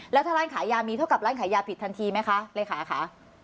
แล้วถ้าร้านขายยามีเท่ากับร้านขายยาผิดทันทีไหมคะเลขาค่ะ